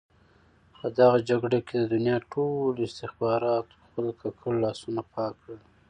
په دغه جګړه کې د دنیا ټولو استخباراتو خپل ککړ لاسونه پاک کړل.